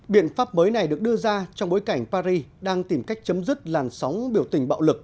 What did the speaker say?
biện pháp mới này được đưa ra trong bối cảnh paris đang tìm cách chấm dứt làn sóng biểu tình bạo lực